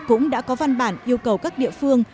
cũng đã có văn bản yêu cầu các địa phương